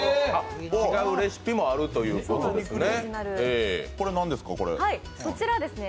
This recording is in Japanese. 違うレシピもあるということですね。